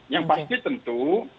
yang pasti tentu